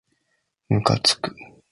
むかつく